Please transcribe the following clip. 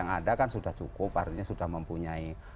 yang ada kan sudah cukup artinya sudah mempunyai